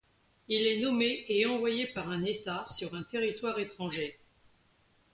Il est nommé et envoyé par un État sur un territoire étranger.